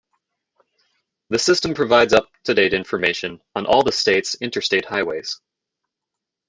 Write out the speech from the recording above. The system provides up to date information on all the states interstate highways.